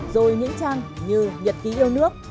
rồi những trang như nhật ký yêu nước